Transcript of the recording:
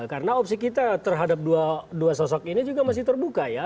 karena opsi kita terhadap dua sosok ini juga masih terbuka ya